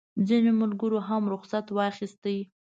ځینو ملګرو هم رخصت واخیست.